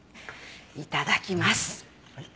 いただきます。